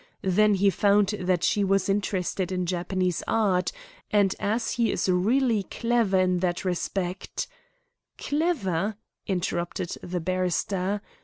Then he found that she was interested in Japanese art, and as he is really clever in that respect " "Clever," interrupted the barrister.